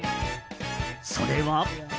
それは。